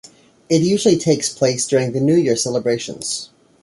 It usually takes place during the New Year celebrations.